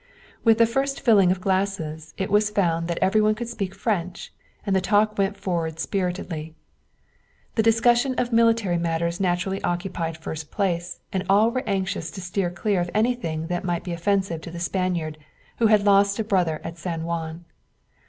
With the first filling of glasses it was found that every one could speak French, and the talk went forward spiritedly. The discussion of military matters naturally occupied first place, and all were anxious to steer clear of anything that might be offensive to the Spaniard, who had lost a brother at San Juan.